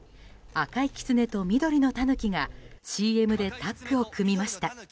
赤いきつねと緑のたぬきがＣＭでタッグを組みました。